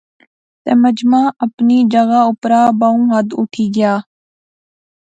تہ مجمع اپنی جاغا اپرا بہوں حد اٹھِی گیا